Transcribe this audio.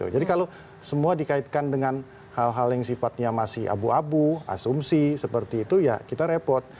jadi kalau semua dikaitkan dengan hal hal yang sifatnya masih abu abu asumsi seperti itu ya kita repot